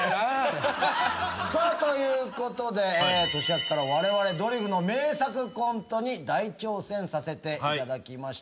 さあということで年明けからわれわれドリフの名作コントに大挑戦させていただきました。